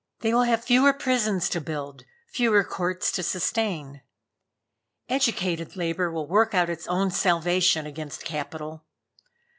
They will have fewer prisons to build, fewer courts to sustain. Educated Labor will work out its own salvation against Capital.